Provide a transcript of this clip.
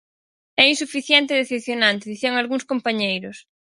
É insuficiente e decepcionante, dicían algúns compañeiros.